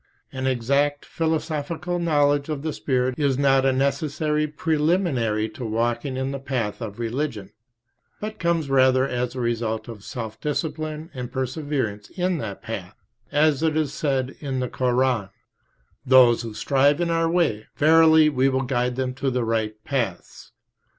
An exact philosophical knowledge of the spirit is not a necessary preliminary to walking in the path of religion, but comes rather as the result of self discipline and perseverance in that path, as it is said in the Koran: "Those who strive in Our way, verily We will guide them to the right paths."